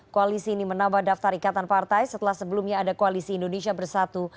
koalisi ini menambah daftar ikatan partai setelah sebelumnya ada koalisi indonesia bersatu